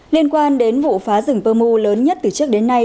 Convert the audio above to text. liên quan đến vụ phá rừng pơ mu lớn nhất từ trước đến nay